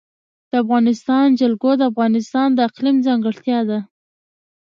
د افغانستان جلکو د افغانستان د اقلیم ځانګړتیا ده.